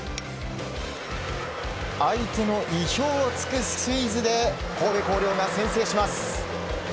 相手の意表を突くスクイズで神戸弘陵が先制します。